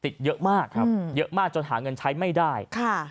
ติดเยอะมากครับเยอะมากจนหาเงินใช้ไม่ได้ค่ะ